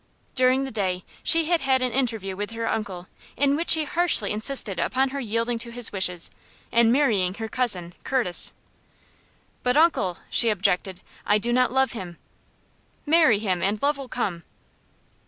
During the day she had had an interview with her uncle, in which he harshly insisted upon her yielding to his wishes, and marrying her cousin, Curtis. "But, uncle," she objected, "I do not love him." "Marry him, and love will come."